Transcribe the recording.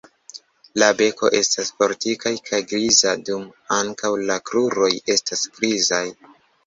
La beko estas fortikaj kaj griza, dum ankaŭ la kruroj estas grizaj.